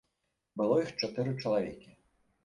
Было іх чатыры чалавекі.